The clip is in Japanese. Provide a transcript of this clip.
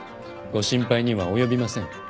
ご心配には及びません。